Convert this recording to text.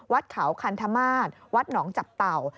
วัดเขาคันธมาตรวัดหนองจับเต่า